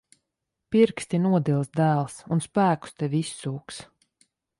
Pirksti nodils, dēls. Un spēkus tev izsūks.